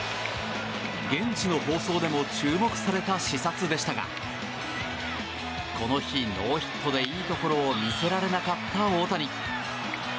現地の放送でも注目された視察でしたがこの日、ノーヒットでいいところを見せられなかった大谷。